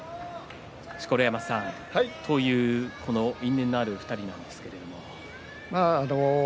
錣山さん因縁のある２人なんですけれども。